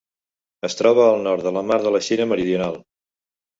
Es troba al nord de la mar de la Xina Meridional.